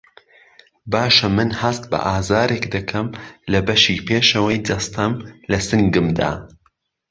باشه من هەست بە ئازارێک دەکەم لە بەشی پێشەوەی جەستەم له سنگمدا